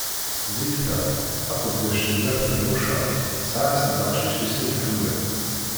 Zilfa, taqeddact n Nna Feḍmuca, tesɛa-as-d aqcic i Si Mḥemmed.